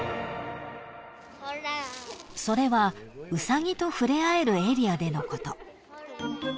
［それはウサギと触れ合えるエリアでのこと］